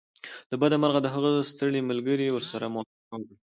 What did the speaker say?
له بده مرغه د هغه ستړي ملګري ورسره موافقه وکړه